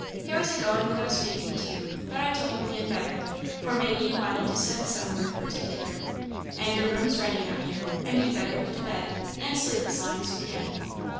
He was agoing without speaking to you, but I told him he had better, for maybe you wanted to send some word particular. And your room's ready now, dear, and you'd better go to bed, and sleep as long as you can."